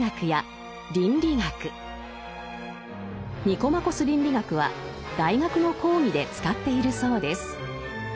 「ニコマコス倫理学」は大学の講義で使っているそうです。